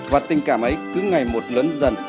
và tình cảm ấy cứ ngày một lớn dần